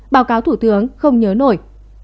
báo cáo thủ tướng không nhớ nổi